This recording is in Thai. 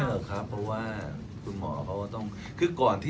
อ้อไม่เลยครับเพราะว่าคุณหมอเขามันก็ต้อง